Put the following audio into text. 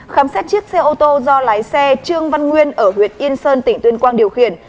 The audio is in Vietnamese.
khám xét chiếc xe ô tô do lái xe trương văn nguyên ở huyện yên sơn tỉnh tuyên quang điều khiển